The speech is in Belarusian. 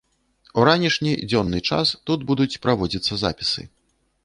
У ранішні, дзённы час тут будуць праводзіцца запісы.